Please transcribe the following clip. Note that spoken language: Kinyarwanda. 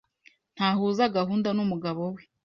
Ntahuza gahunda n’umugabo we,